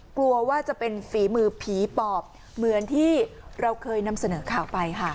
กลัวว่าจะเป็นฝีมือผีปอบเหมือนที่เราเคยนำเสนอข่าวไปค่ะ